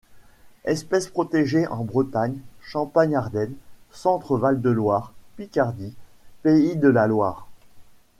Espèce protégée en Bretagne, Champagne-Ardenne, Centre-Val de Loire, Picardie, Pays de la Loire.